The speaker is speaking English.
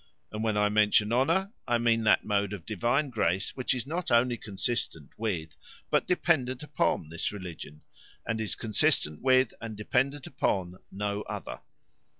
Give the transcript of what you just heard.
And when I mention honour, I mean that mode of Divine grace which is not only consistent with, but dependent upon, this religion; and is consistent with and dependent upon no other.